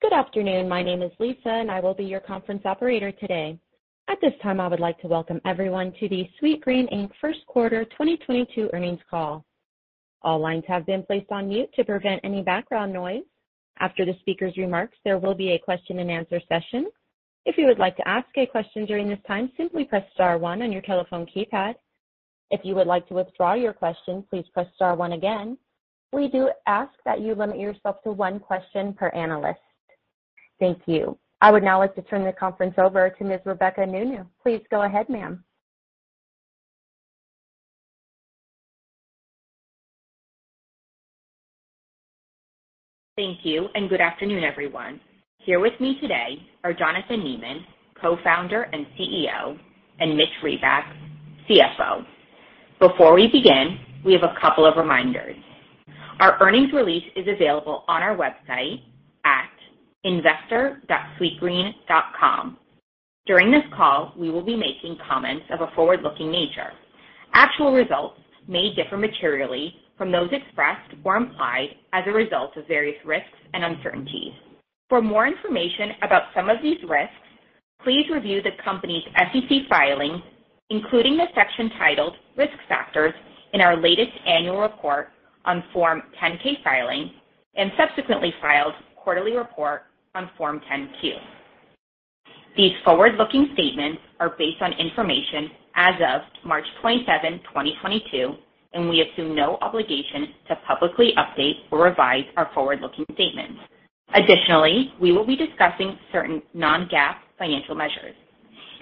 Good afternoon. My name is Lisa, and I will be your conference operator today. At this time, I would like to welcome everyone to the Sweetgreen, Inc. First Quarter 2022 earnings call. All lines have been placed on mute to prevent any background noise. After the speaker's remarks, there will be a question-and-answer session. If you would like to ask a question during this time, simply press star one on your telephone keypad. If you would like to withdraw your question, please press star one again. We do ask that you limit yourself to one question per analyst. Thank you. I would now like to turn the conference over to Ms. Rebecca Nounou. Please go ahead, ma'am. Thank you, and good afternoon, everyone. Here with me today are Jonathan Neman, Co-founder and CEO, and Mitch Reback, CFO. Before we begin, we have a couple of reminders. Our earnings release is available on our website at investor.sweetgreen.com. During this call, we will be making comments of a forward-looking nature. Actual results may differ materially from those expressed or implied as a result of various risks and uncertainties. For more information about some of these risks, please review the company's SEC filings, including the section titled Risk Factors in our latest annual report on Form 10-K filing, and subsequently filed quarterly report on Form 10-Q. These forward-looking statements are based on information as of March 27th, 2022, and we assume no obligation to publicly update or revise our forward-looking statements. Additionally, we will be discussing certain non-GAAP financial measures.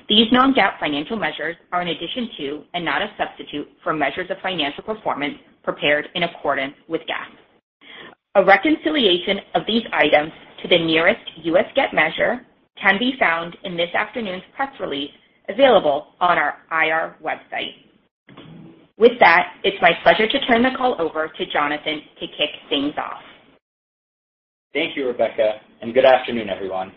These non-GAAP financial measures are in addition to and not a substitute for measures of financial performance prepared in accordance with GAAP. A reconciliation of these items to the nearest U.S. GAAP measure can be found in this afternoon's press release available on our IR website. With that, it's my pleasure to turn the call over to Jonathan to kick things off. Thank you, Rebecca, and good afternoon, everyone.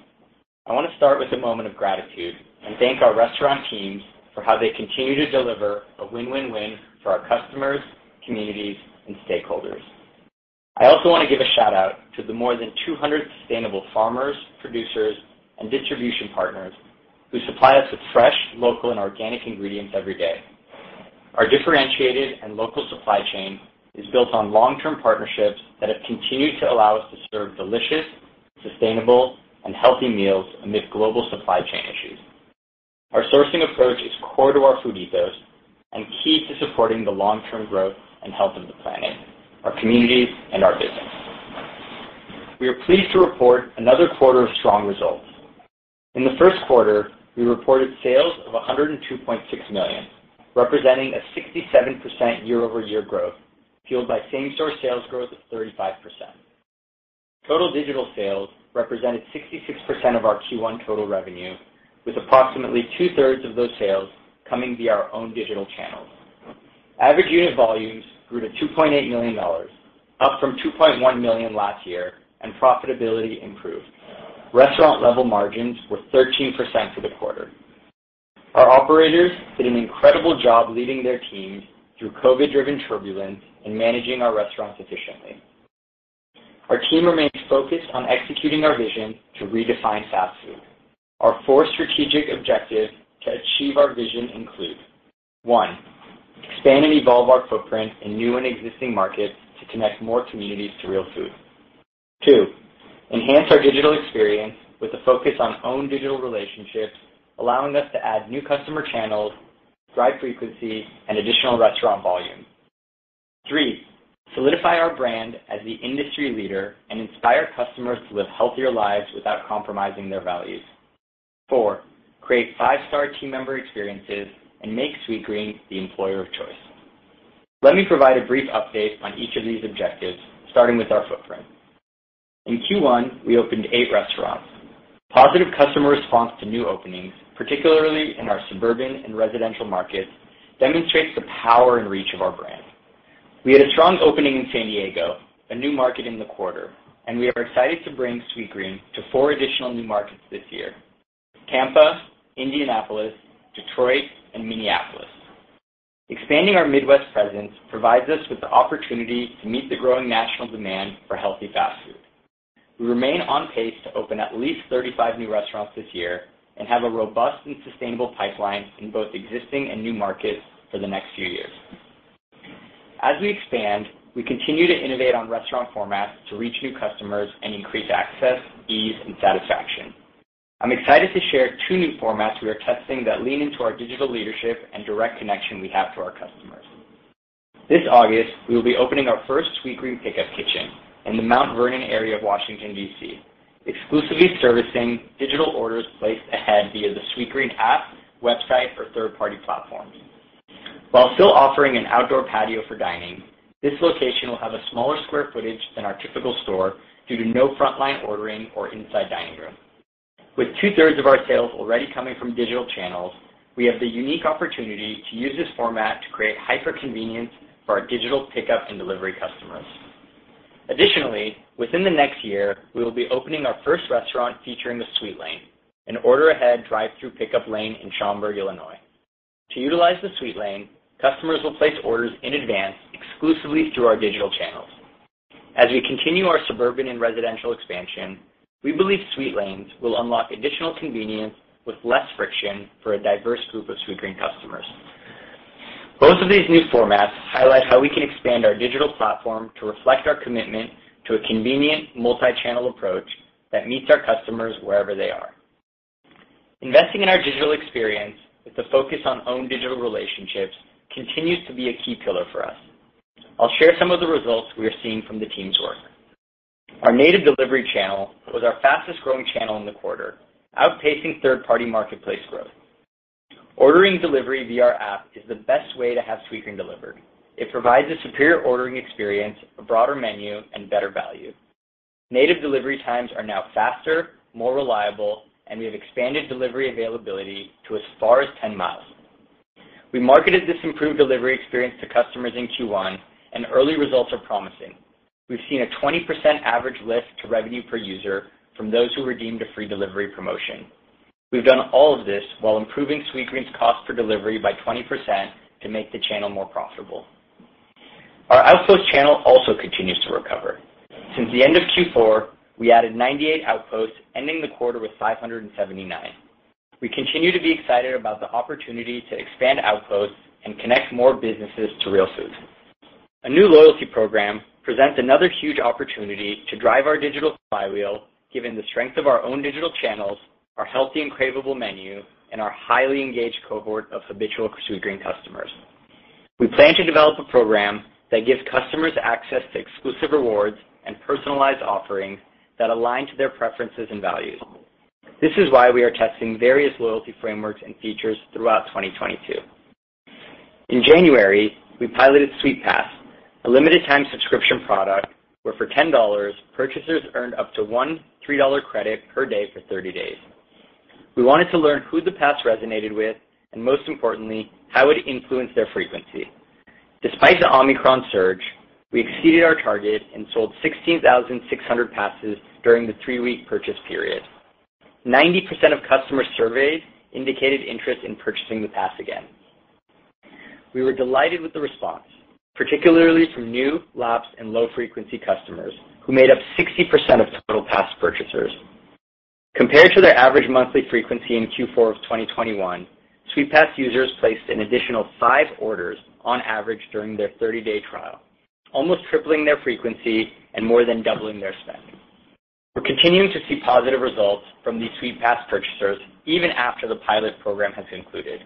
I wanna start with a moment of gratitude and thank our restaurant teams for how they continue to deliver a win-win-win for our customers, communities, and stakeholders. I also wanna give a shout-out to the more than 200 sustainable farmers, producers, and distribution partners who supply us with fresh, local, and organic ingredients every day. Our differentiated and local supply chain is built on long-term partnerships that have continued to allow us to serve delicious, sustainable, and healthy meals amid global supply chain issues. Our sourcing approach is core to our food ethos and key to supporting the long-term growth and health of the planet, our communities, and our business. We are pleased to report another quarter of strong results. In the first quarter, we reported sales of $102.6 million, representing a 67% year-over-year growth, fueled by same-store sales growth of 35%. Total digital sales represented 66% of our Q1 total revenue, with approximately two-thirds of those sales coming via our own digital channels. Average unit volumes grew to $2.8 million, up from $2.1 million last year, and profitability improved. Restaurant-level margins were 13% for the quarter. Our operators did an incredible job leading their teams through COVID-driven turbulence and managing our restaurants efficiently. Our team remains focused on executing our vision to redefine fast food. Our four strategic objectives to achieve our vision include, one, expand and evolve our footprint in new and existing markets to connect more communities to real food. Two, enhance our digital experience with a focus on own digital relationships, allowing us to add new customer channels, drive frequency, and additional restaurant volume. Three, solidify our brand as the industry leader and inspire customers to live healthier lives without compromising their values. Four, create five-star team member experiences and make Sweetgreen the employer of choice. Let me provide a brief update on each of these objectives, starting with our footprint. In Q1, we opened eight restaurants. Positive customer response to new openings, particularly in our suburban and residential markets, demonstrates the power and reach of our brand. We had a strong opening in San Diego, a new market in the quarter, and we are excited to bring Sweetgreen to four additional new markets this year, Tampa, Indianapolis, Detroit, and Minneapolis. Expanding our Midwest presence provides us with the opportunity to meet the growing national demand for healthy fast food. We remain on pace to open at least 35 new restaurants this year and have a robust and sustainable pipeline in both existing and new markets for the next few years. As we expand, we continue to innovate on restaurant formats to reach new customers and increase access, ease, and satisfaction. I'm excited to share two new formats we are testing that lean into our digital leadership and direct connection we have to our customers. This August, we will be opening our first Sweetgreen Pickup Kitchen in the Mount Vernon area of Washington, D.C., exclusively servicing digital orders placed ahead via the Sweetgreen app, website, or third-party platforms. While still offering an outdoor patio for dining, this location will have a smaller square footage than our typical store due to no frontline ordering or inside dining room. With two-thirds of our sales already coming from digital channels, we have the unique opportunity to use this format to create hyper-convenience for our digital pickup and delivery customers. Additionally, within the next year, we will be opening our first restaurant featuring the Sweetlane, an order-ahead drive-through pickup lane in Schaumburg, Illinois. To utilize the Sweetlane, customers will place orders in advance exclusively through our digital channels. As we continue our suburban and residential expansion, we believe Sweetlane will unlock additional convenience with less friction for a diverse group of Sweetgreen customers. Both of these new formats highlight how we can expand our digital platform to reflect our commitment to a convenient multi-channel approach that meets our customers wherever they are. Investing in our digital experience with the focus on own digital relationships continues to be a key pillar for us. I'll share some of the results we are seeing from the team's work. Our native delivery channel was our fastest-growing channel in the quarter, outpacing third-party marketplace growth. Ordering delivery via our app is the best way to have Sweetgreen delivered. It provides a superior ordering experience, a broader menu, and better value. Native delivery times are now faster, more reliable, and we have expanded delivery availability to as far as 10 miles. We marketed this improved delivery experience to customers in Q1, and early results are promising. We've seen a 20% average lift to revenue per user from those who redeemed a free delivery promotion. We've done all of this while improving Sweetgreen's cost per delivery by 20% to make the channel more profitable. Our Outpost channel also continues to recover. Since the end of Q4, we added 98 Outposts, ending the quarter with 579. We continue to be excited about the opportunity to expand Outposts and connect more businesses to Real Food. A new loyalty program presents another huge opportunity to drive our digital flywheel, given the strength of our own digital channels, our healthy and craveable menu, and our highly engaged cohort of habitual Sweetgreen customers. We plan to develop a program that gives customers access to exclusive rewards and personalized offerings that align to their preferences and values. This is why we are testing various loyalty frameworks and features throughout 2022. In January, we piloted SweetPass, a limited time subscription product where for $10, purchasers earned up to a $3 credit per day for 30 days. We wanted to learn who the pass resonated with, and most importantly, how it influenced their frequency. Despite the Omicron surge, we exceeded our target and sold 16,600 passes during the three-week purchase period. 90% of customers surveyed indicated interest in purchasing the pass again. We were delighted with the response, particularly from new, lapsed, and low frequency customers who made up 60% of total pass purchasers. Compared to their average monthly frequency in Q4 of 2021, SweetPass users placed an additional five orders on average during their 30-day trial, almost tripling their frequency and more than doubling their spend. We're continuing to see positive results from these SweetPass purchasers even after the pilot program has concluded.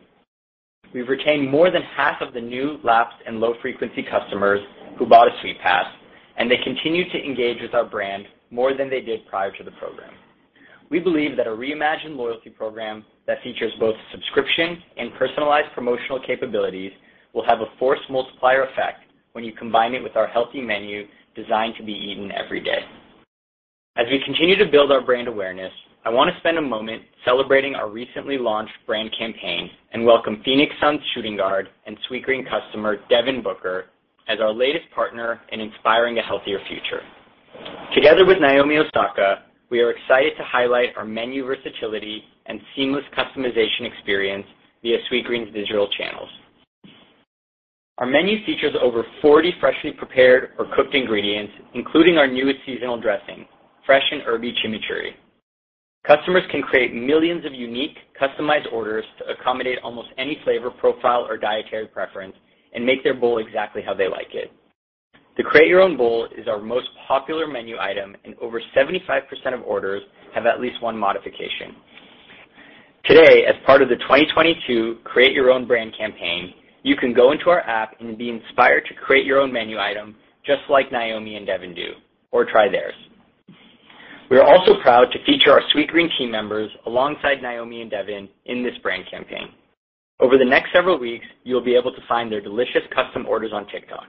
We've retained more than half of the new, lapsed, and low frequency customers who bought a SweetPass, and they continue to engage with our brand more than they did prior to the program. We believe that a reimagined loyalty program that features both subscription and personalized promotional capabilities will have a force multiplier effect when you combine it with our healthy menu designed to be eaten every day. As we continue to build our brand awareness, I wanna spend a moment celebrating our recently launched brand campaign and welcome Phoenix Suns shooting guard and Sweetgreen customer Devin Booker as our latest partner in inspiring a healthier future. Together with Naomi Osaka, we are excited to highlight our menu versatility and seamless customization experience via Sweetgreen's digital channels. Our menu features over 40 freshly prepared or cooked ingredients, including our newest seasonal dressing, fresh and herby chimichurri. Customers can create millions of unique customized orders to accommodate almost any flavor profile or dietary preference and make their bowl exactly how they like it. The Create Your Own Bowl is our most popular menu item, and over 75% of orders have at least one modification. Today, as part of the 2022 Create Your Own brand campaign, you can go into our app and be inspired to create your own menu item just like Naomi and Devin do or try theirs. We are also proud to feature our Sweetgreen team members alongside Naomi and Devin in this brand campaign. Over the next several weeks, you'll be able to find their delicious custom orders on TikTok.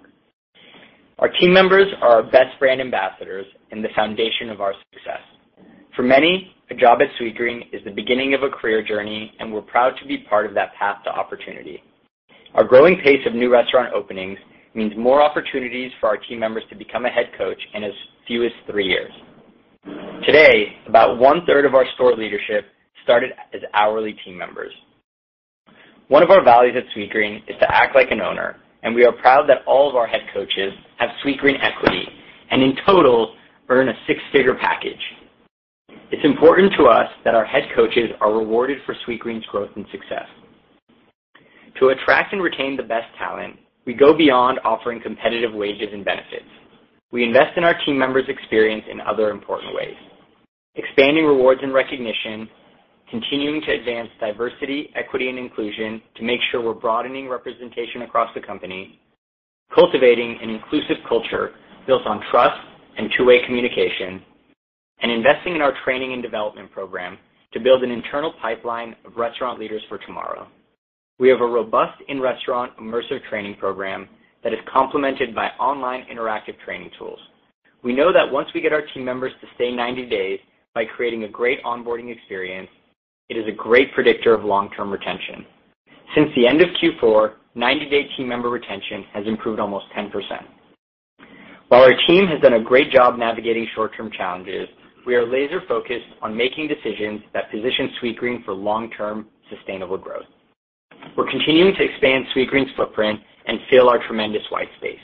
Our team members are our best brand ambassadors and the foundation of our success. For many, a job at Sweetgreen is the beginning of a career journey, and we're proud to be part of that path to opportunity. Our growing pace of new restaurant openings means more opportunities for our team members to become a head coach in as few as three years. Today, about one-third of our store leadership started as hourly team members. One of our values at Sweetgreen is to act like an owner, and we are proud that all of our head coaches have Sweetgreen equity and in total earn a six-figure package. It's important to us that our head coaches are rewarded for Sweetgreen's growth and success. To attract and retain the best talent, we go beyond offering competitive wages and benefits. We invest in our team members' experience in other important ways. Expanding rewards and recognition, continuing to advance diversity, equity, and inclusion to make sure we're broadening representation across the company, cultivating an inclusive culture built on trust and two-way communication, and investing in our training and development program to build an internal pipeline of restaurant leaders for tomorrow. We have a robust in-restaurant immersive training program that is complemented by online interactive training tools. We know that once we get our team members to stay 90 days by creating a great onboarding experience, it is a great predictor of long-term retention. Since the end of Q4, 90-day team member retention has improved almost 10%. While our team has done a great job navigating short-term challenges, we are laser-focused on making decisions that position Sweetgreen for long-term sustainable growth. We're continuing to expand Sweetgreen's footprint and fill our tremendous white space.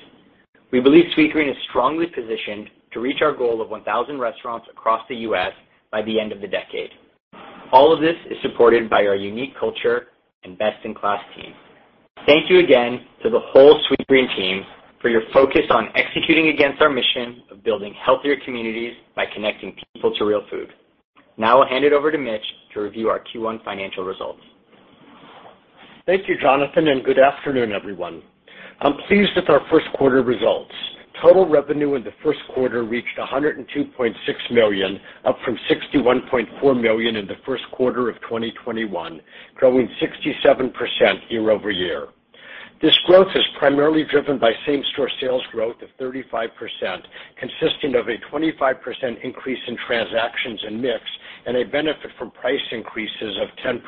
We believe Sweetgreen is strongly positioned to reach our goal of 1,000 restaurants across the U.S. by the end of the decade. All of this is supported by our unique culture and best-in-class team. Thank you again to the whole Sweetgreen team for your focus on executing against our mission of building healthier communities by connecting people to real food. Now I'll hand it over to Mitch to review our Q1 financial results. Thank you, Jonathan, and good afternoon, everyone. I'm pleased with our first quarter results. Total revenue in the first quarter reached $102.6 million, up from $61.4 million in the first quarter of 2021, growing 67% year over year. This growth is primarily driven by same-store sales growth of 35%, consisting of a 25% increase in transactions and mix and a benefit from price increases of 10%,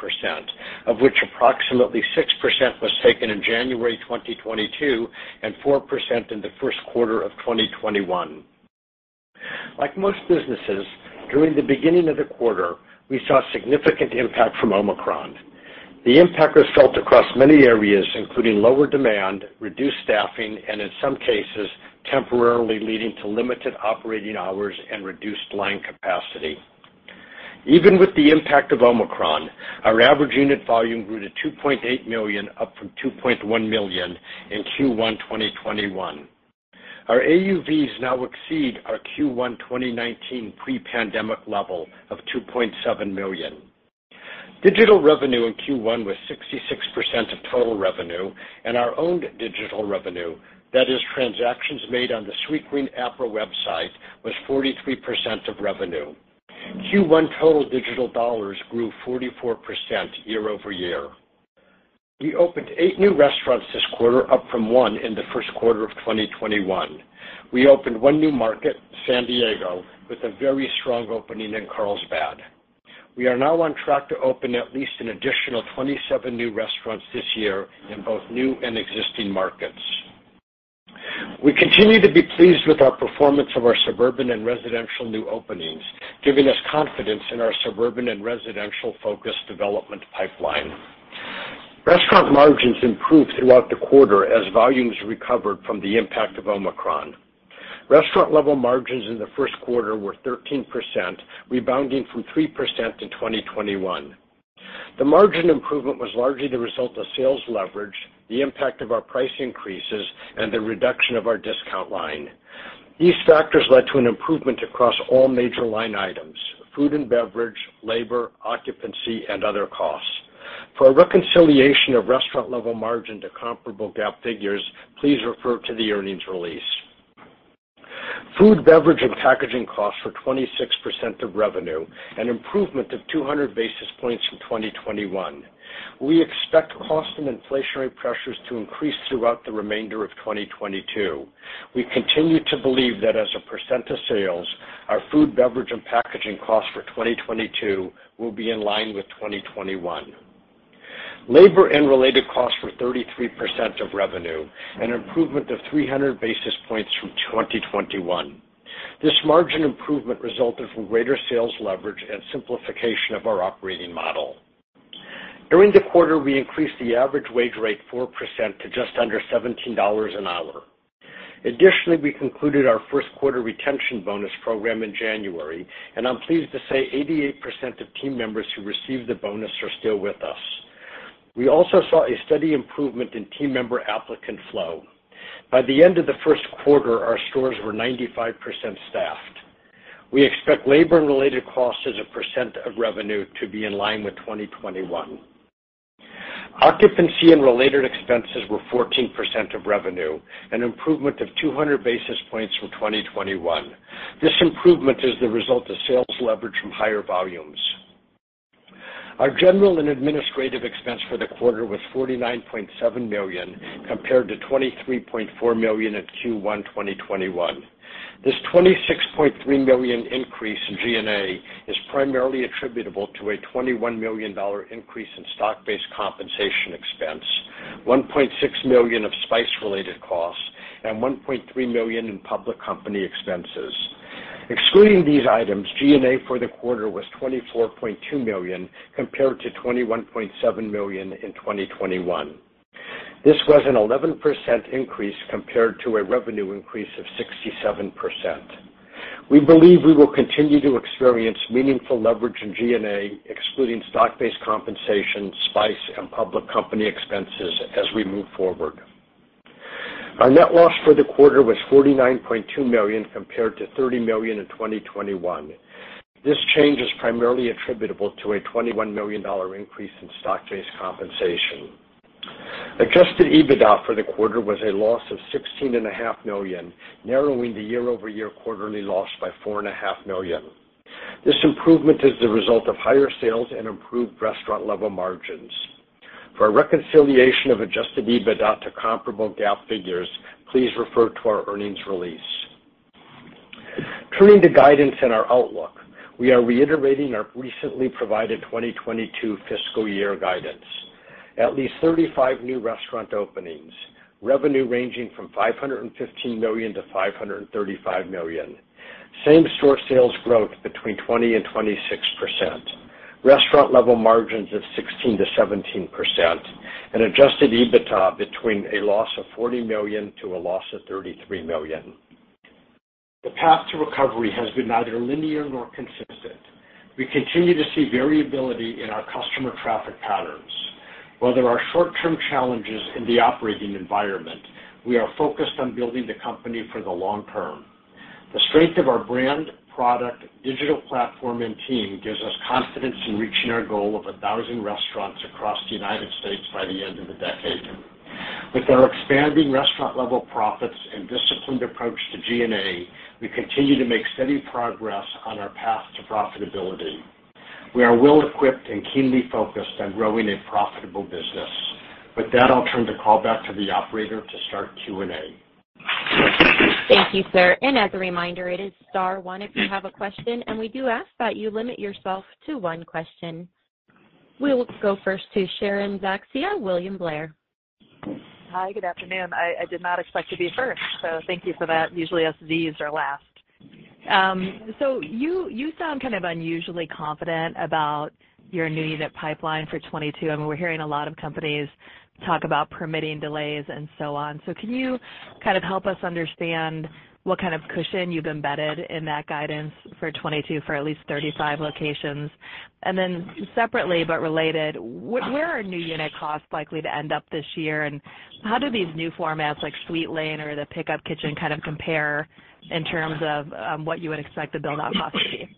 of which approximately 6% was taken in January 2022 and 4% in the first quarter of 2021. Like most businesses, during the beginning of the quarter, we saw significant impact from Omicron. The impact was felt across many areas, including lower demand, reduced staffing, and in some cases, temporarily leading to limited operating hours and reduced line capacity. Even with the impact of Omicron, our average unit volume grew to $2.8 million, up from $2.1 million in Q1 2021. Our AUVs now exceed our Q1 2019 pre-pandemic level of $2.7 million. Digital revenue in Q1 was 66% of total revenue, and our own digital revenue, that is transactions made on the Sweetgreen app or website, was 43% of revenue. Q1 total digital dollars grew 44% year-over-year. We opened eight new restaurants this quarter, up from one in the first quarter of 2021. We opened one new market, San Diego, with a very strong opening in Carlsbad. We are now on track to open at least an additional 27 new restaurants this year in both new and existing markets. We continue to be pleased with our performance of our suburban and residential new openings, giving us confidence in our suburban and residential-focused development pipeline. Restaurant margins improved throughout the quarter as volumes recovered from the impact of Omicron. Restaurant-level margins in the first quarter were 13%, rebounding from 3% in 2021. The margin improvement was largely the result of sales leverage, the impact of our price increases, and the reduction of our discount line. These factors led to an improvement across all major line items, food and beverage, labor, occupancy, and other costs. For a reconciliation of restaurant-level margin to comparable GAAP figures, please refer to the earnings release. Food, beverage, and packaging costs were 26% of revenue, an improvement of 200 basis points from 2021. We expect cost and inflationary pressures to increase throughout the remainder of 2022. We continue to believe that as a percent of sales, our food, beverage, and packaging costs for 2022 will be in line with 2021. Labor and related costs were 33% of revenue, an improvement of 300 basis points from 2021. This margin improvement resulted from greater sales leverage and simplification of our operating model. During the quarter, we increased the average wage rate 4% to just under $17 an hour. Additionally, we concluded our first quarter retention bonus program in January, and I'm pleased to say 88% of team members who received the bonus are still with us. We also saw a steady improvement in team member applicant flow. By the end of the first quarter, our stores were 95% staffed. We expect labor and related costs as a percent of revenue to be in line with 2021. Occupancy and related expenses were 14% of revenue, an improvement of 200 basis points from 2021. This improvement is the result of sales leverage from higher volumes. Our general and administrative expense for the quarter was $49.7 million compared to $23.4 million in Q1 2021. This $26.3 million increase in G&A is primarily attributable to a $21 million increase in stock-based compensation expense, $1.6 million of SPAC-related costs, and $1.3 million in public company expenses. Excluding these items, G&A for the quarter was $24.2 million compared to $21.7 million in 2021. This was an 11% increase compared to a revenue increase of 67%. We believe we will continue to experience meaningful leverage in G&A, excluding stock-based compensation, SPAC, and public company expenses as we move forward. Our net loss for the quarter was $49.2 million compared to $30 million in 2021. This change is primarily attributable to a $21 million increase in stock-based compensation. Adjusted EBITDA for the quarter was a loss of $16.5 million, narrowing the year-over-year quarterly loss by $4.5 million. This improvement is the result of higher sales and improved restaurant-level margins. For a reconciliation of adjusted EBITDA to comparable GAAP figures, please refer to our earnings release. Turning to guidance and our outlook, we are reiterating our recently provided 2022 fiscal year guidance. At least 35 new restaurant openings, revenue ranging from $515 million to $535 million. Same-store sales growth between 20% and 26%. restaurant-level margins of 16%-17% and adjusted EBITDA between a loss of $40 million to a loss of $33 million. The path to recovery has been neither linear nor consistent. We continue to see variability in our customer traffic patterns. While there are short-term challenges in the operating environment, we are focused on building the company for the long term. The strength of our brand, product, digital platform, and team gives us confidence in reaching our goal of 1,000 restaurants across the United States by the end of the decade. With our expanding restaurant-level profits and disciplined approach to G&A, we continue to make steady progress on our path to profitability. We are well equipped and keenly focused on growing a profitable business. With that, I'll turn the call back to the operator to start Q&A. Thank you, sir. As a reminder, it is star one if you have a question, and we do ask that you limit yourself to one question. We'll go first to Sharon Zackfia, William Blair. Hi, good afternoon. I did not expect to be first, so thank you for that. Usually us Zs are last. You sound kind of unusually confident about your new unit pipeline for 2022. I mean, we're hearing a lot of companies talk about permitting delays and so on. Can you kind of help us understand what kind of cushion you've embedded in that guidance for 2022 for at least 35 locations? Then separately but related, where are new unit costs likely to end up this year? How do these new formats like Sweetlane or the Pickup Kitchen kind of compare in terms of what you would expect the build-out cost to be?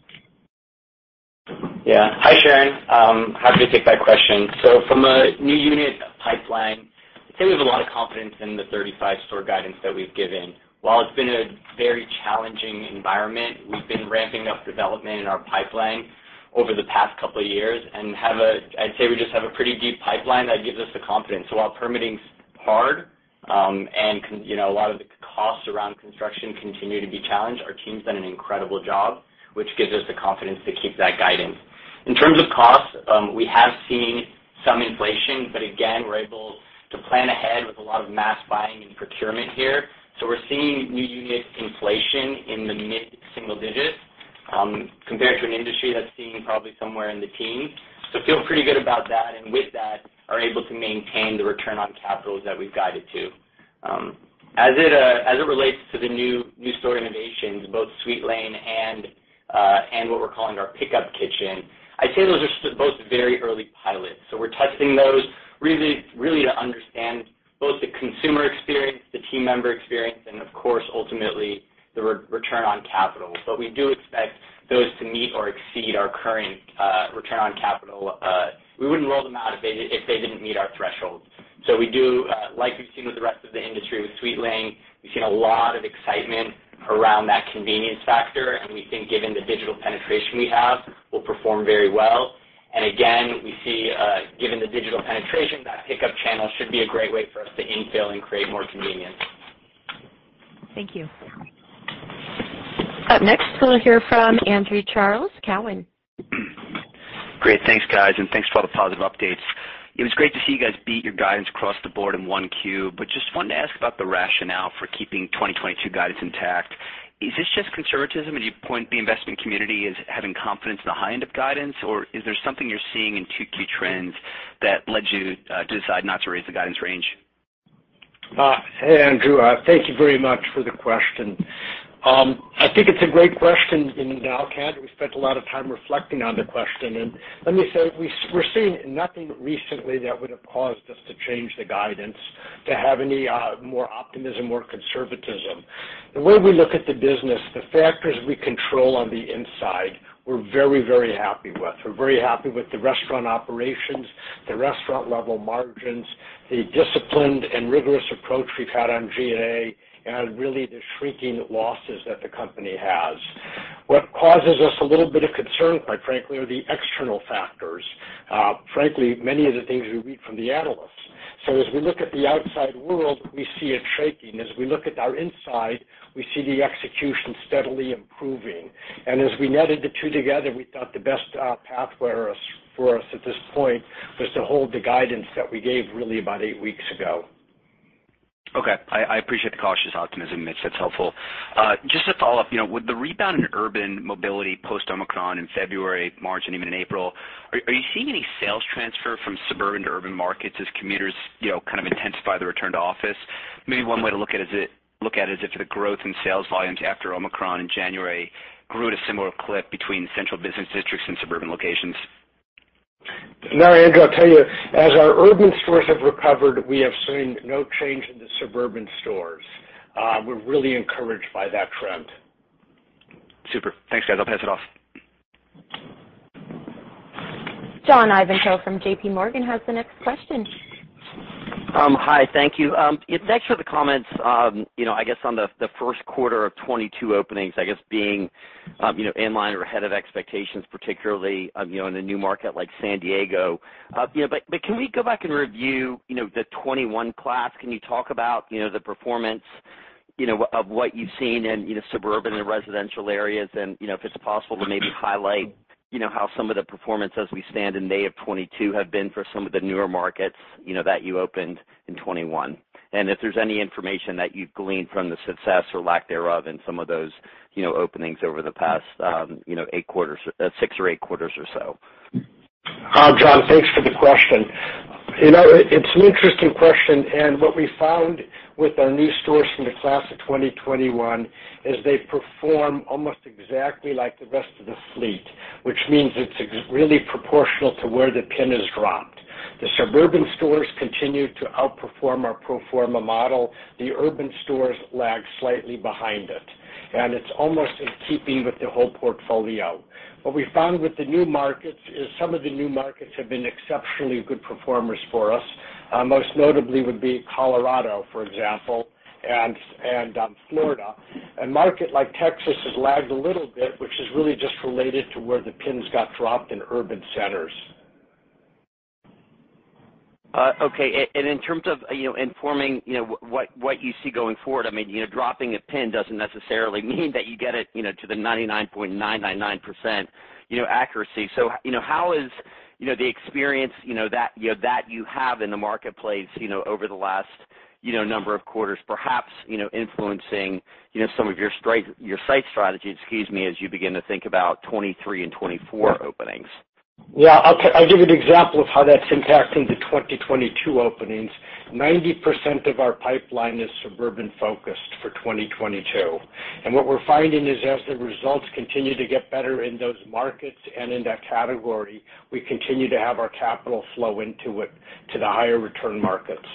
Yeah. Hi, Sharon. Happy to take that question. From a new unit pipeline, I'd say we have a lot of confidence in the 35 store guidance that we've given. While it's been a very challenging environment, we've been ramping up development in our pipeline over the past couple of years and I'd say we just have a pretty deep pipeline that gives us the confidence. While permitting's hard, and you know, a lot of the costs around construction continue to be challenged, our team's done an incredible job, which gives us the confidence to keep that guidance. In terms of costs, we have seen some inflation, but again, we're able to plan ahead with a lot of mass buying and procurement here. We're seeing new unit inflation in the mid-single digits, compared to an industry that's seeing probably somewhere in the teens. Feel pretty good about that, and with that, are able to maintain the return on capital that we've guided to. As it relates to the new store innovations, both Sweetlane and what we're calling our Pickup Kitchen, I'd say those are both very early pilots. We're testing those really to understand both the consumer experience, the team member experience, and of course, ultimately, the return on capital. We do expect those to meet or exceed our current return on capital. We wouldn't roll them out if they didn't meet our thresholds. We do, like we've seen with the rest of the industry with Sweetlane, we've seen a lot of excitement around that convenience factor, and we think given the digital penetration we have, we'll perform very well. Again, we see, given the digital penetration, that pickup channel should be a great way for us to infill and create more convenience. Thank you. Up next, we'll hear from Andrew Charles, Cowen. Great. Thanks, guys, and thanks for all the positive updates. It was great to see you guys beat your guidance across the board in 1Q, but just wanted to ask about the rationale for keeping 2022 guidance intact. Is this just conservatism, and you point the investment community as having confidence in the high end of guidance? Or is there something you're seeing in Q2 trends that led you to decide not to raise the guidance range? Hey, Andrew. Thank you very much for the question. I think it's a great question, we spent a lot of time reflecting on the question. Let me say, we're seeing nothing recently that would have caused us to change the guidance to have any more optimism, more conservatism. The way we look at the business, the factors we control on the inside, we're very, very happy with. We're very happy with the restaurant operations, the restaurant-level margins, the disciplined and rigorous approach we've had on G&A, and really the shrinking losses that the company has. What causes us a little bit of concern, quite frankly, are the external factors, frankly, many of the things we read from the analysts. As we look at the outside world, we see it shrinking. As we look at our inside, we see the execution steadily improving. As we netted the two together, we thought the best path for us at this point was to hold the guidance that we gave really about eight weeks ago. Okay. I appreciate the cautious optimism, Mitch. That's helpful. Just to follow up, you know, with the rebound in urban mobility post-Omicron in February, March, and even in April, are you seeing any sales transfer from suburban to urban markets as commuters, you know, kind of intensify the return to office? Maybe one way to look at it is if the growth in sales volumes after Omicron in January grew at a similar clip between central business districts and suburban locations. No, Andrew, I'll tell you, as our urban stores have recovered, we have seen no change in the suburban stores. We're really encouraged by that trend. Super. Thanks, guys. I'll pass it off. John Ivankoe from J.P. Morgan has the next question. Hi. Thank you. Thanks for the comments, you know, I guess on the first quarter of 2022 openings, I guess being, you know, in line or ahead of expectations, particularly, you know, in a new market like San Diego. Can we go back and review, you know, the 2021 class? Can you talk about, you know, the performance you know, of what you've seen in, you know, suburban and residential areas, and, you know, if it's possible to maybe highlight, you know, how some of the performance as we stand in May of 2022 have been for some of the newer markets, you know, that you opened in 2021. If there's any information that you've gleaned from the success or lack thereof in some of those, you know, openings over the past, you know, six or eight quarters or so. John, thanks for the question. You know, it's an interesting question, and what we found with our new stores from the class of 2021 is they perform almost exactly like the rest of the fleet, which means it's really proportional to where the pin is dropped. The suburban stores continue to outperform our pro forma model. The urban stores lag slightly behind it, and it's almost in keeping with the whole portfolio. What we found with the new markets is some of the new markets have been exceptionally good performers for us. Most notably would be Colorado, for example, and Florida. A market like Texas has lagged a little bit, which is really just related to where the pins got dropped in urban centers. In terms of informing what you see going forward, I mean, you know, dropping a pin doesn't necessarily mean that you get it, you know, to the 99.999% accuracy. How is the experience that you have in the marketplace, you know, over the last number of quarters, perhaps, influencing some of your site strategy, excuse me, as you begin to think about 2023 and 2024 openings? Yeah. I'll give you an example of how that's impacting the 2022 openings. 90% of our pipeline is suburban focused for 2022, and what we're finding is as the results continue to get better in those markets and in that category, we continue to have our capital flow into it, to the higher return markets.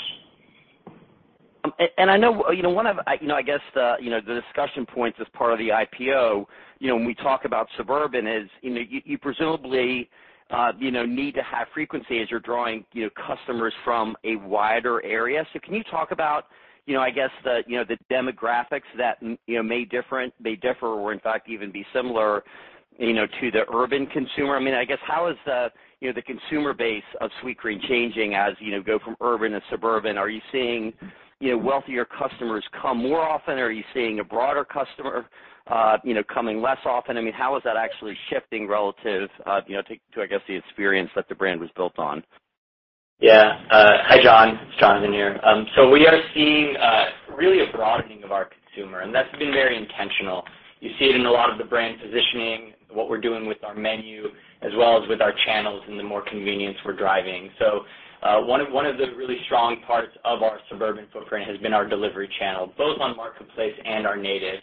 I know, you know, one of, you know, I guess the, you know, the discussion points as part of the IPO, you know, when we talk about suburban is, you know, you presumably, you know, need to have frequency as you're drawing, you know, customers from a wider area. So can you talk about, you know, I guess the, you know, the demographics that, you know, may differ or in fact even be similar, you know, to the urban consumer? I mean, I guess how is the, you know, the consumer base of Sweetgreen changing as, you know, go from urban to suburban? Are you seeing, you know, wealthier customers come more often, or are you seeing a broader customer, you know, coming less often? I mean, how is that actually shifting relative, you know, to, I guess, the experience that the brand was built on? Yeah. Hi, John. It's Jonathan here. We are seeing really a broadening of our consumer, and that's been very intentional. You see it in a lot of the brand positioning, what we're doing with our menu, as well as with our channels and the more convenience we're driving. One of the really strong parts of our suburban footprint has been our delivery channel, both on marketplace and our native.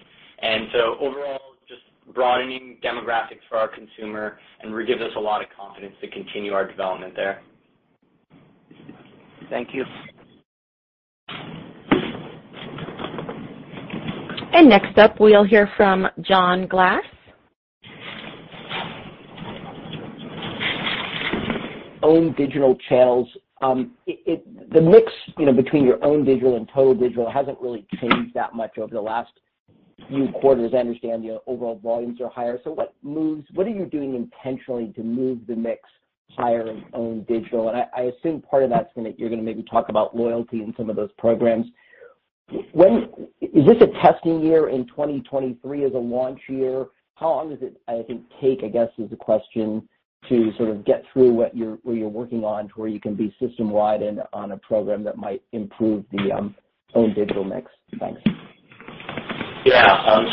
Overall, just broadening demographics for our consumer and really gives us a lot of confidence to continue our development there. Thank you. Next up, we'll hear from John Glass. Own digital channels. The mix, you know, between your own digital and total digital hasn't really changed that much over the last few quarters. I understand your overall volumes are higher. What are you doing intentionally to move the mix higher in own digital? I assume part of that's gonna, you're gonna maybe talk about loyalty and some of those programs. Is this a testing year in 2023 as a launch year? How long does it, I think, take, I guess, is the question, to sort of get through where you're working on to where you can be system-wide and on a program that might improve the own digital mix? Thanks. Yeah. I'm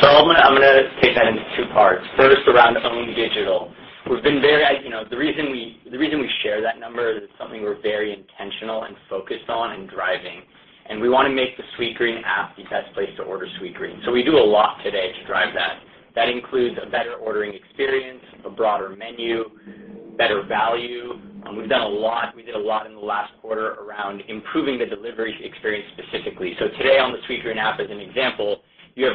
gonna take that into two parts. First, around our own digital. The reason we share that number is it's something we're very intentional and focused on in driving, and we wanna make the Sweetgreen app the best place to order Sweetgreen. We do a lot today to drive that. That includes a better ordering experience, a broader menu, better value. We've done a lot. We did a lot in the last quarter around improving the delivery experience specifically. Today on the Sweetgreen app as an example, you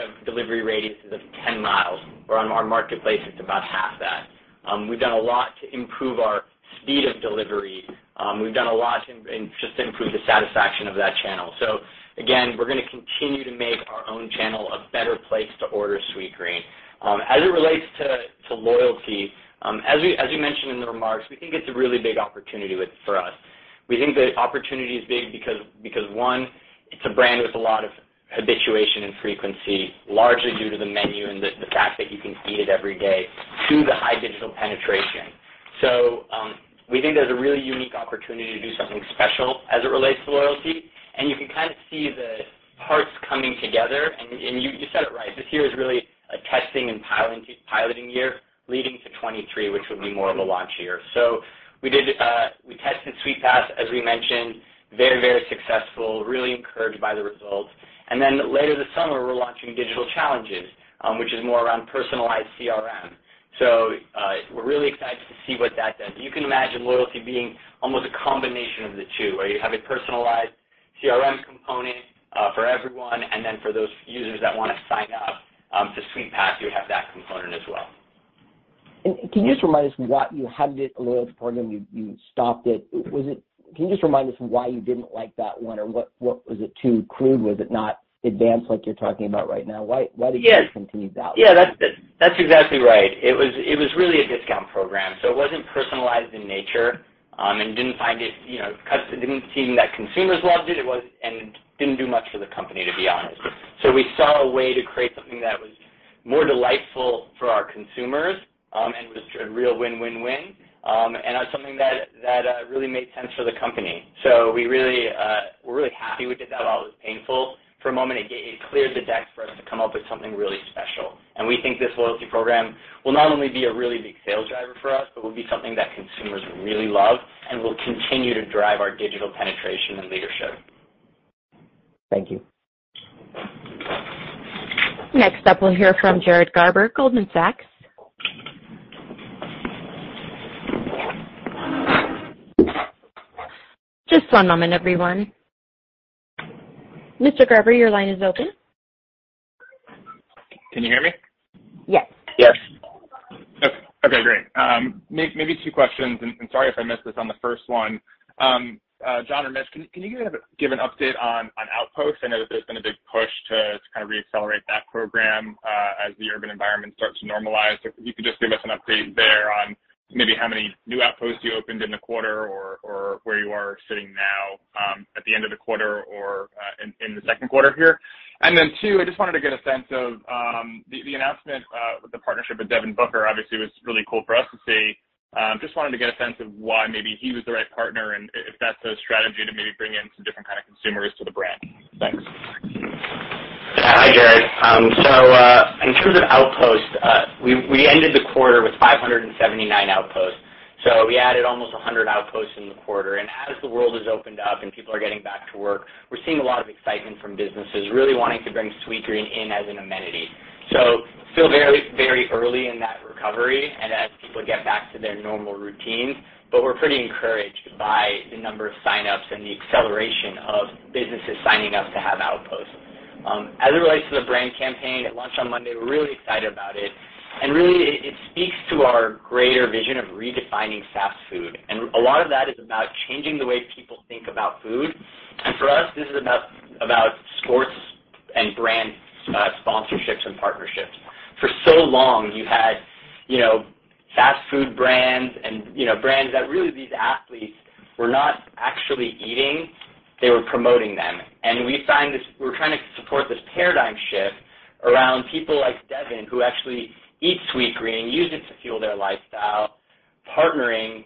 have delivery radius of 10 miles, where on our marketplace, it's about half that. We've done a lot to improve our speed of delivery. We've done a lot just to improve the satisfaction of that channel. Again, we're gonna continue to make our own channel a better place to order Sweetgreen. As it relates to loyalty, as we mentioned in the remarks, we think it's a really big opportunity for us. We think the opportunity is big because one, it's a brand with a lot of habituation and frequency, largely due to the menu and the fact that you can eat it every day, two, the high digital penetration. We think there's a really unique opportunity to do something special as it relates to loyalty, and you can kind of see the parts coming together. You said it right. This year is really a testing and piloting year leading to 2023, which will be more of a launch year. We tested Sweetpass, as we mentioned, very, very successful, really encouraged by the results. Later this summer, we're launching digital challenges, which is more around personalized CRM. We're really excited to see what that does. You can imagine loyalty being almost a combination of the two, where you have a personalized CRM component for everyone, and then for those users that wanna sign up to Sweetpass, you have that component as well. Can you just remind us what you had with the loyalty program? You stopped it. Can you just remind us why you didn't like that one or what? Was it too crude? Was it not advanced like you're talking about right now? Why didn't you continue that one? Yeah. That's exactly right. It was really a discount program, so it wasn't personalized in nature, and it didn't seem that consumers loved it. It didn't do much for the company, to be honest. We saw a way to create something that was more delightful for our consumers and was a real win-win-win. That's something that really made sense for the company. We're really happy we did that, although it was painful for a moment. It cleared the decks for us to come up with something really special. We think this loyalty program will not only be a really big sales driver for us, but will be something that consumers really love and will continue to drive our digital penetration and leadership. Thank you. Next up, we'll hear from Jared Garber, Goldman Sachs. Just one moment, everyone. Mr. Garber, your line is open. Can you hear me? Yes. Yes. Okay, great. Maybe two questions, and sorry if I missed this on the first one. John or Mitch, can you give an update on Outposts? I know that there's been a big push to kind of re-accelerate that program as the urban environment starts to normalize. If you could just give us an update there on maybe how many new Outposts you opened in the quarter or where you are sitting now at the end of the quarter or in the second quarter here. Two, I just wanted to get a sense of the announcement with the partnership with Devin Booker obviously was really cool for us to see. Just wanted to get a sense of why maybe he was the right partner, and if that's a strategy to maybe bring in some different kind of consumers to the brand. Thanks. Hi, Jared. In terms of Outposts, we ended the quarter with 579 Outposts. We added almost 100 Outposts in the quarter. As the world has opened up and people are getting back to work, we're seeing a lot of excitement from businesses really wanting to bring Sweetgreen in as an amenity. Still very, very early in that recovery and as people get back to their normal routines, but we're pretty encouraged by the number of signups and the acceleration of businesses signing up to have Outposts. As it relates to the brand campaign, it launched on Monday. We're really excited about it. Really, it speaks to our greater vision of redefining fast food. A lot of that is about changing the way people think about food. For us, this is about sports and brand sponsorships and partnerships. For so long, you had, you know, fast food brands and, you know, brands that really these athletes were not actually eating, they were promoting them. We find this. We're trying to support this paradigm shift around people like Devin, who actually eat Sweetgreen, use it to fuel their lifestyle, partnering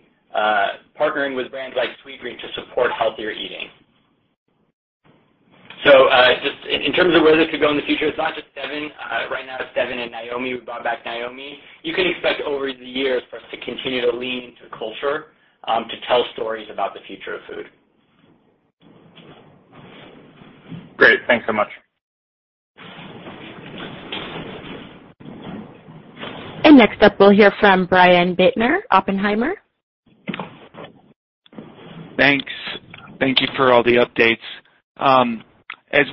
with brands like Sweetgreen to support healthier eating. Just in terms of where this could go in the future, it's not just Devin. Right now, Devin and Naomi. We brought back Naomi. You can expect over the years for us to continue to lean into culture, to tell stories about the future of food. Great. Thanks so much. Next up, we'll hear from Brian Bittner, Oppenheimer. Thanks. Thank you for all the updates. As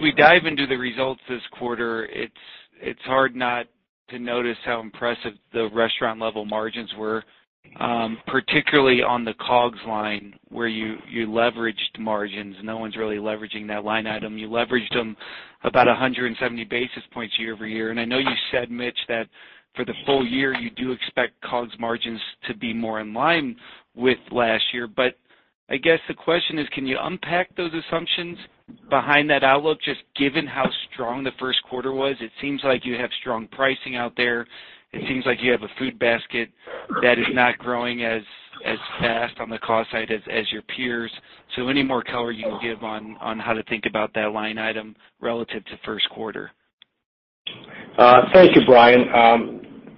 we dive into the results this quarter, it's hard not to notice how impressive the restaurant-level margins were, particularly on the COGS line, where you leveraged margins. No one's really leveraging that line item. You leveraged them about 170 basis points year-over-year. I know you said, Mitch, that for the full year, you do expect COGS margins to be more in line with last year. I guess the question is, can you unpack those assumptions behind that outlook, just given how strong the first quarter was? It seems like you have strong pricing out there. It seems like you have a food basket that is not growing as fast on the cost side as your peers. Any more color you can give on how to think about that line item relative to first quarter? Thank you, Brian.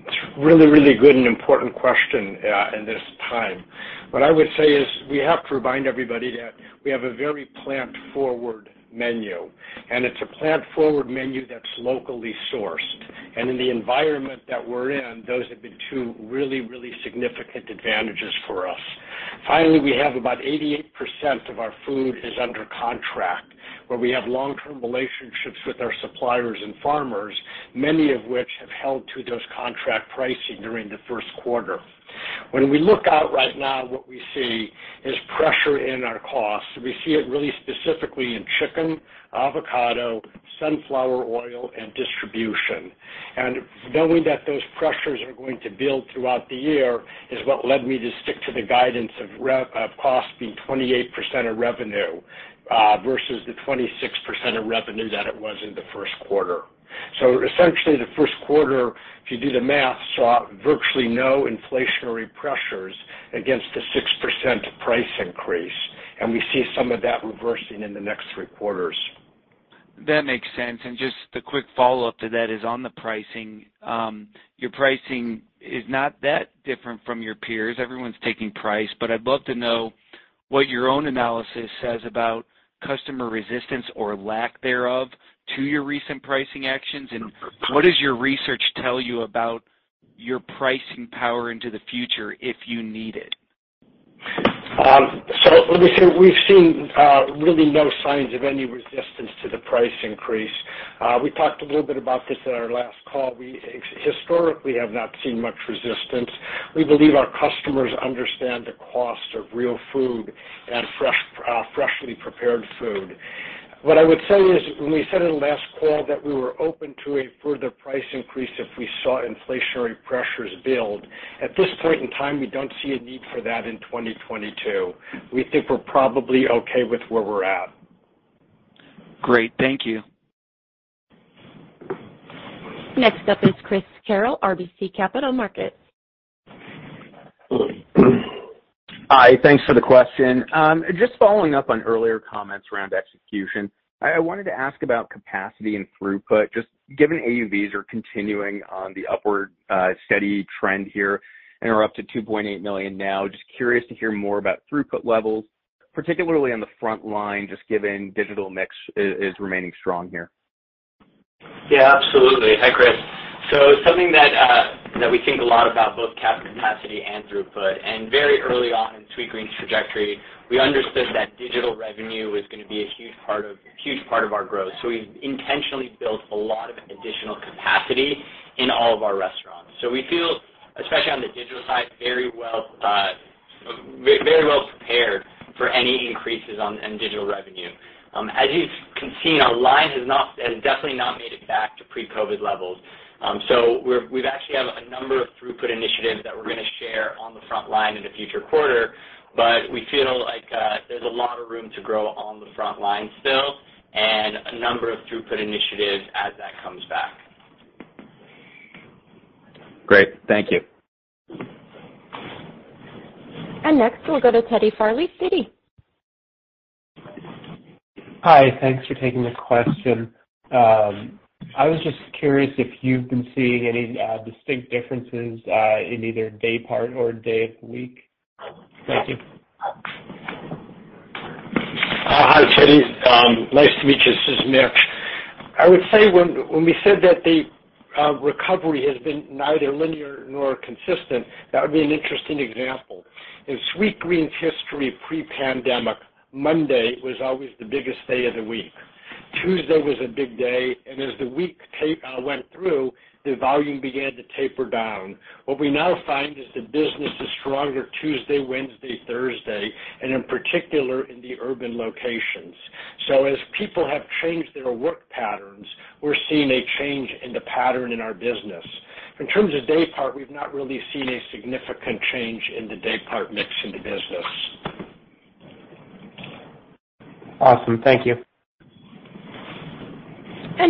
It's really, really good and important question in this time. What I would say is we have to remind everybody that we have a very plant-forward menu, and it's a plant-forward menu that's locally sourced. In the environment that we're in, those have been two really, really significant advantages for us. Finally, we have about 88% of our food is under contract, where we have long-term relationships with our suppliers and farmers, many of which have held to those contract pricing during the first quarter. When we look out right now, what we see is pressure in our costs. We see it really specifically in chicken, avocado, sunflower oil, and distribution. Knowing that those pressures are going to build throughout the year is what led me to stick to the guidance of cost being 28% of revenue, versus the 26% of revenue that it was in the first quarter. Essentially, the first quarter, if you do the math, saw virtually no inflationary pressures against the 6% price increase, and we see some of that reversing in the next three quarters. That makes sense. Just the quick follow-up to that is on the pricing. Your pricing is not that different from your peers. Everyone's taking price, but I'd love to know what your own analysis says about customer resistance or lack thereof to your recent pricing actions. What does your research tell you about your pricing power into the future if you need it? Let me see. We've seen really no signs of any resistance to the price increase. We talked a little bit about this in our last call. We historically have not seen much resistance. We believe our customers understand the cost of real food and fresh, freshly prepared food. What I would say is when we said in the last call that we were open to a further price increase if we saw inflationary pressures build, at this point in time, we don't see a need for that in 2022. We think we're probably okay with where we're at. Great. Thank you. Next up is Christopher Carril, RBC Capital Markets. Hi. Thanks for the question. Just following up on earlier comments around execution. I wanted to ask about capacity and throughput, just given AUVs are continuing on the upward steady trend here and are up to $2.8 million now. Just curious to hear more about throughput levels, particularly on the front line, just given digital mix is remaining strong here. Yeah, absolutely. Hi, Chris. Something that we think a lot about both capacity and throughput, and very early on in Sweetgreen's trajectory, we understood that digital revenue was gonna be a huge part of our growth. We intentionally built a lot of additional capacity in all of our restaurants. We feel, especially on the digital side, very well prepared for any increases in digital revenue. As you've seen, our line has definitely not made it back to pre-COVID levels. We actually have a number of throughput initiatives that we're gonna share on the front line in a future quarter, but we feel like there's a lot of room to grow on the front line still and a number of throughput initiatives as that comes back. Great. Thank you. Next, we'll go to Teddy Farley, Citi. Hi. Thanks for taking this question. I was just curious if you've been seeing any distinct differences in either day part or day of the week? Thank you. Hi, Teddy. Nice to meet you. This is Nick. I would say when we said that the recovery has been neither linear nor consistent, that would be an interesting example. In Sweetgreen's history pre-pandemic, Monday was always the biggest day of the week. Tuesday was a big day, and as the week went through, the volume began to taper down. What we now find is the business is stronger Tuesday, Wednesday, Thursday, and in particular in the urban locations. As people have changed their work patterns, we're seeing a change in the pattern in our business. In terms of day part, we've not really seen a significant change in the day part mix in the business. Awesome. Thank you.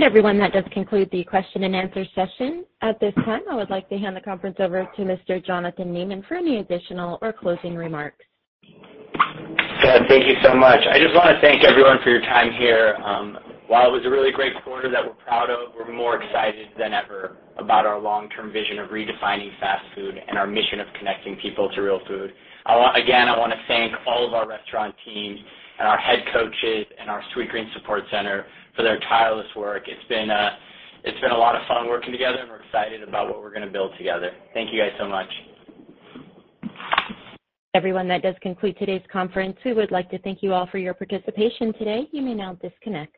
Everyone, that does conclude the question and answer session. At this time, I would like to hand the conference over to Mr. Jonathan Neman for any additional or closing remarks. Ted, thank you so much. I just wanna thank everyone for your time here. While it was a really great quarter that we're proud of, we're more excited than ever about our long-term vision of redefining fast food and our mission of connecting people to real food. Again, I wanna thank all of our restaurant teams and our head coaches and our Sweetgreen support center for their tireless work. It's been a lot of fun working together, and we're excited about what we're gonna build together. Thank you guys so much. Everyone, that does conclude today's conference. We would like to thank you all for your participation today. You may now disconnect.